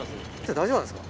大丈夫なんですか？